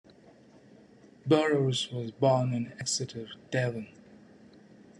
Burrows was born in Exeter, Devon.